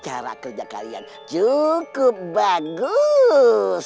cara kerja kalian cukup bagus